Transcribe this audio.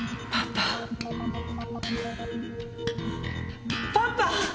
パパ！